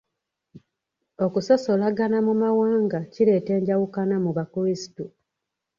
Okusosolagana mu mawanga kireeta enjawukana mu bakrisitu.